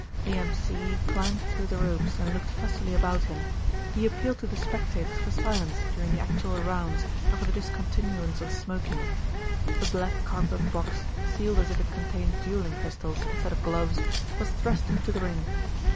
The M.C. climbed through the ropes and looked fussily about him. He appealed to the spectators for silence during the actual rounds and for the discontinuance of smoking. A black cardboard box, sealed as if it contained duelling pistols instead of gloves, was thrust into the ring.